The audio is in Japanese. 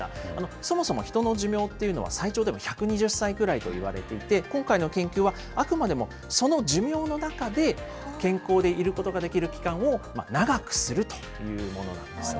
そもそもヒトの寿命っていうのは、最長でも１２０歳ぐらいといわれていて、今回の研究はあくまでもその寿命の中で健康でいることができる期間を長くするというものなんですね。